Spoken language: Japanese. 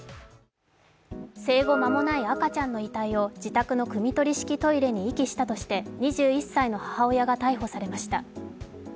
生後間もない赤ちゃんの遺体を自宅のくみ取りトイレに遺棄したとして２１歳の母親が逮捕されました。